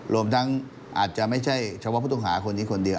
รวมทั้งอาจจะไม่ใช่เฉพาะพุทธภาคคนอีกคนเดียว